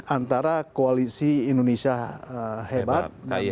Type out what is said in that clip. antara koalisi indonesia hebat